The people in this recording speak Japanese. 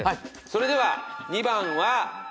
それでは２番は。